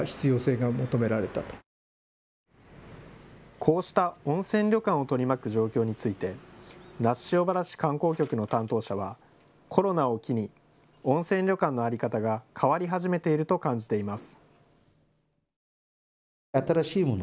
こうした温泉旅館を取り巻く状況について那須塩原市観光局の担当者はコロナを機に温泉旅館の在り方が変わり始めていると感じています。